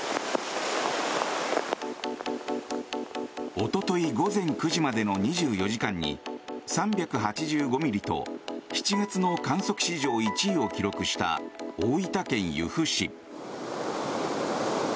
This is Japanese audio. おととい午前９時までの２４時間に３８５ミリと７月の観測史上１位を記録した大分県由布市。